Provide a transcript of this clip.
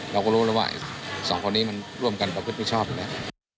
เราก็รู้แล้วว่าสองคนนี้มันร่วมกันประพฤติมิชอบอยู่แล้ว